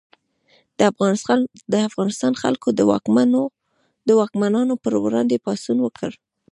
د افغانستان خلکو د واکمنانو پر وړاندې پاڅون وکړ.